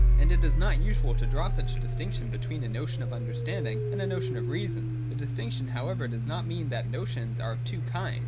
And it is not unusual to draw such a distinction between a notion of understanding and a notion of reason. The distinction however does not mean that notions are of two kinds.